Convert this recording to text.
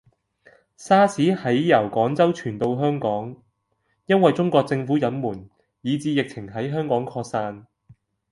沙士喺由廣州傳到香港，因為中國政府隱瞞，以致疫情喺香港擴散